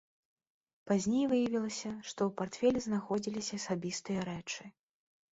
Пазней выявілася, што ў партфелі знаходзіліся асабістыя рэчы.